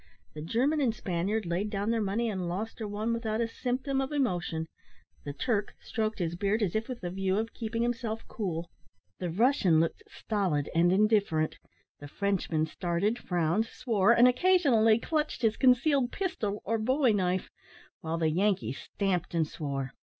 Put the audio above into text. The German and Spaniard laid down their money, and lost or won without a symptom of emotion; the Turk stroked his beard as if with the view of keeping himself cool; the Russian looked stolid and indifferent; the Frenchman started, frowned, swore, and occasionally clutched his concealed pistol or bowie knife; while the Yankee stamped and swore.